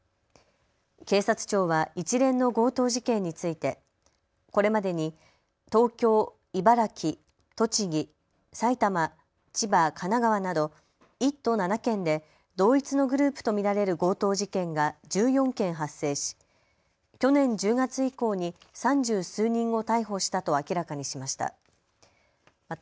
警察庁は一連の強盗事件についてこれまでに東京、茨城、栃木、埼玉、千葉、神奈川など１都７県で同一のグループと見られる強盗事件が１４件発生し去年１０月以降に三十数人を逮捕したと明らかにしました。